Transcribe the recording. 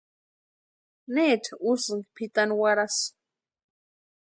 ¿Necha úsïnki pʼitani warhasï?